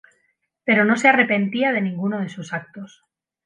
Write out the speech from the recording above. Pero no se arrepentía de ninguno de sus actos.